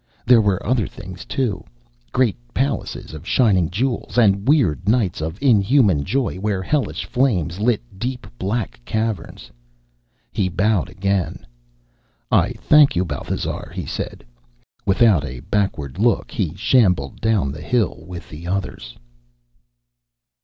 There were other things, too. Great palaces of shining jewels, and weird nights of inhuman joy where hellish flames lit deep, black caverns. He bowed again. "I thank you, Bathazar," he said. Without a backward look he shambled down the hill with the others.